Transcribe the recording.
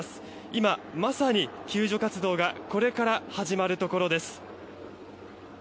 今まさに救助活動がこれから始まるところです。